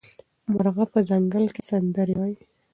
مرغه په ځنګل کې سندرې وايي.